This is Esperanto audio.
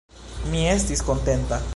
Mi estis kontenta.